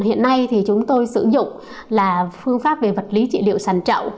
hiện nay thì chúng tôi sử dụng là phương pháp về vật lý trị liệu sàn trậu